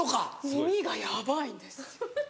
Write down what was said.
耳がヤバいです。